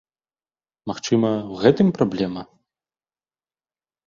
Магчыма, у гэтым праблема?